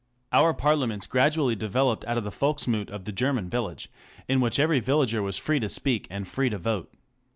Our Parliaments gradually developed out of the Folksmote of the German village, in which every villager was free to speak and free to vote.